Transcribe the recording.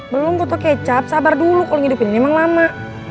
belum butuh kecap sabar dulu kalau ngidupin emang lama